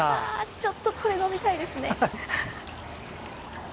ちょっとこれ飲みたいですね。